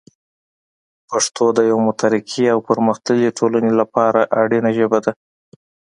پښتو د یوه مترقي او پرمختللي ټولنې لپاره اړینه ژبه ده.